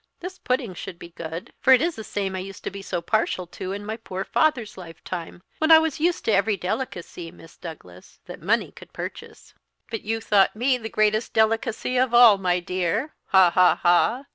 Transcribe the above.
"This pudding should be good; for it is the same I used to be so partial to in my poor father's lifetime, when I was used to every delicacy, Miss Douglas, that money could purchase." "But you thought me the greatest delicacy of all, my dear, ha, ha, ha!